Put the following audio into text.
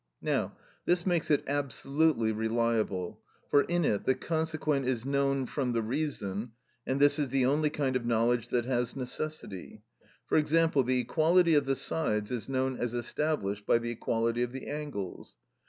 Now this makes it absolutely reliable, for in it the consequent is known from the reason, and this is the only kind of knowledge that has necessity; for example, the equality of the sides is known as established by the equality of the angles.